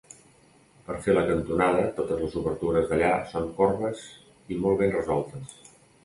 Per fer la cantonada totes les obertures d'allà són corbes i molt ben resoltes.